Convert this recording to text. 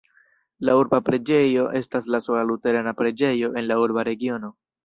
La urba preĝejo estas la sola luterana preĝejo en la urba regiono.